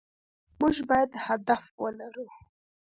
مونږ بايد هدف ولرو